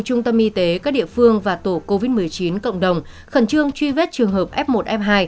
trung tâm y tế các địa phương và tổ covid một mươi chín cộng đồng khẩn trương truy vết trường hợp f một f hai